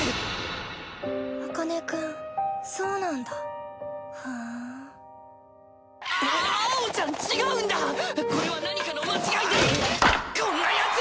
茜君そうなんだふんアオちゃん違うんだこれは何かの間違いでこんなヤツ！